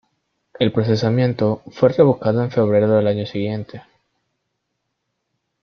El procesamiento fue revocado en febrero del año siguiente.